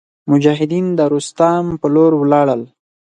مجاهدین د روستام په لور ولاړل.